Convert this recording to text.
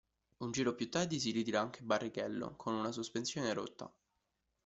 Un giro più tardi si ritira anche Barrichello, con una sospensione rotta.